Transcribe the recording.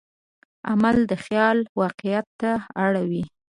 عمل د خیال واقعیت ته اړوي.